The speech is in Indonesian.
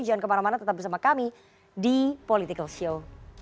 jangan kemana mana tetap bersama kami di political show